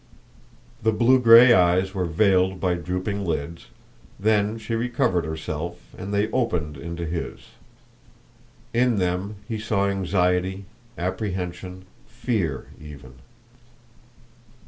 The blue gray eyes were veiled by drooping lids, then she recovered herself and they opened into his. In them he saw anxiety, apprehension, fear even.